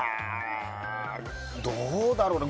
どうだろうな。